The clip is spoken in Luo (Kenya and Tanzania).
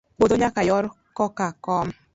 Puodho nyaka yor koka kom.